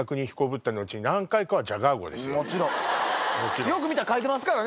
もちろんよく見たら書いてますからね。